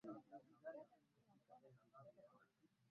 ahindi pia tumeongeza vitamini